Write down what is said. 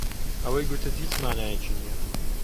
ئەوەی گوتت هیچ مانایەکی نییە.